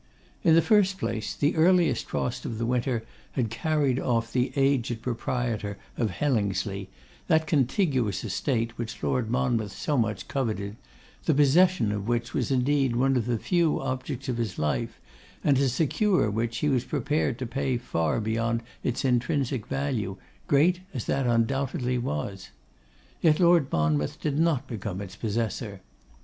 In the first place, the earliest frost of the winter had carried off the aged proprietor of Hellingsley, that contiguous estate which Lord Monmouth so much coveted, the possession of which was indeed one of the few objects of his life, and to secure which he was prepared to pay far beyond its intrinsic value, great as that undoubtedly was. Yet Lord Monmouth did not become its possessor.